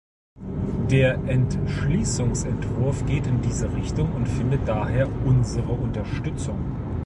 Der Entschließungsentwurf geht in diese Richtung und findet daher unsere Unterstützung.